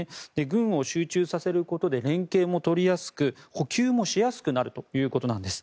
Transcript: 軍を集中させることで連携も取りやすく補給もしやすくなるということなんです。